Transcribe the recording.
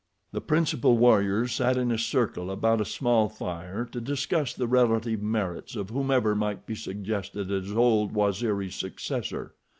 The principal warriors sat in a circle about a small fire to discuss the relative merits of whomever might be suggested as old Waziri's successor.